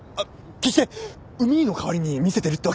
決して海兄の代わりに見せてるってわけじゃ。